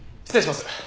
失礼します。